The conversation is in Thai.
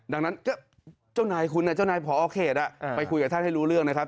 ดังนั้นเจ้านายคุณเจ้านายพอเขตไปคุยกับท่านให้รู้เรื่องนะครับ